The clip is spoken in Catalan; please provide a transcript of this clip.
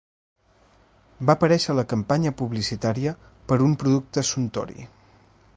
Va aparèixer a la campanya publicitaria per a un producte Suntory.